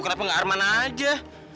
kenapa nggak arman aja